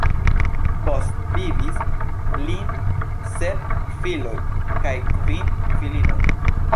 Postvivis lin sep filoj kaj kvin filinoj.